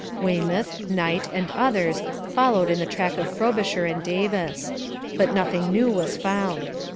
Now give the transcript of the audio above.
Weymouth, Knight, and others followed in the track of Frobisher and Davis. But nothing new was found.